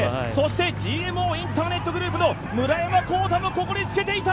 ＧＭＯインターネットグループの村山紘太もここでつけていた！